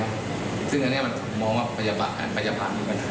และฉะนั้นจะมองว่าพยาบาลฆ่ามีปัญหา